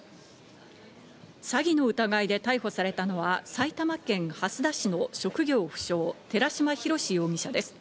詐欺の疑いで逮捕されたのは埼玉県蓮田市の職業不詳、寺島宏容疑者です。